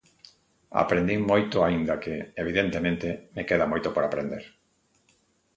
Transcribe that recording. Aprendín moito aínda que, evidentemente, me queda moito por aprender.